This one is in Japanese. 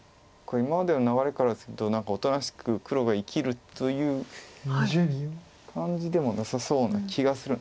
今までの流れからすると何かおとなしく黒が生きるという感じでもなさそうな気がする。